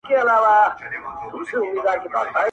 کله چي ښکاره سو را ته مخ دي په جامونو کي,